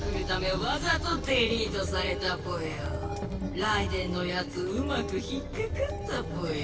ライデェンのやつうまく引っかかったぽよ。